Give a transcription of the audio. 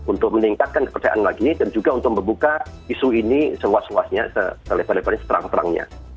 untuk meningkatkan kepercayaan lagi dan juga untuk membuka isu ini seluas luasnya selebar lebarnya seterang terangnya